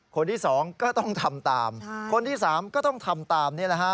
คนที่สองก็ต้องทำตามคนที่๓ก็ต้องทำตามนี่แหละฮะ